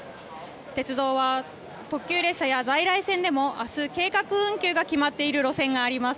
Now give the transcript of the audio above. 鉄道は特急列車や在来線でも明日、計画運休が決まっている路線があります。